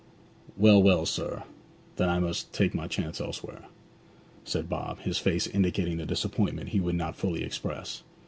'Well, well, sir; then I must take my chance elsewhere,' said Bob, his face indicating the disappointment he would not fully express.